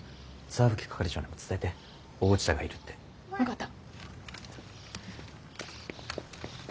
石蕗係長にも伝えて大内田がいるって。分かった。